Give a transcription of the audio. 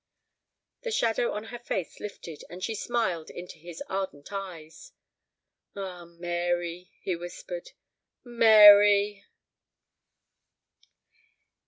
The shadow on her face lifted, and she smiled into his ardent eyes. "Ah, Mary!" he whispered. "Mary!"